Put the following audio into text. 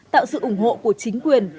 tạo sự ủng hộ của chính quyền